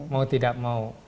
mau tidak mau